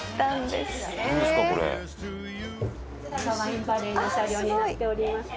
こちらがワインバレーの車両になっております。